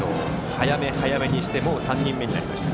早め、早めにしていってもう３人目になりました。